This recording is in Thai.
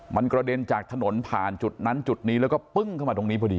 มันกระเด็นจากถนนผ่านจุดนั้นจุดนี้แล้วก็ปึ้งเข้ามาตรงนี้พอดี